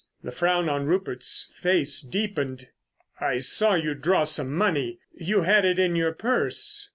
The frown on Rupert's face deepened. "I saw you draw some money—you had it in your purse."